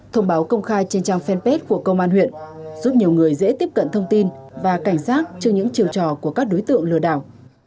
thông báo công khai trên trang fanpage của công an huyện giúp nhiều người dễ tiếp cận thông tin và cảnh giác trước những chiều trò của các đối tượng lừa đảo